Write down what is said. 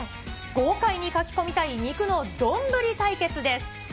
豪快にかき込みたい肉のどんぶり対決です。